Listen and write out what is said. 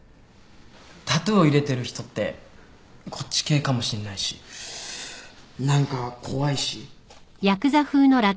タトゥーを入れてる人ってこっち系かもしんないし何か怖いし。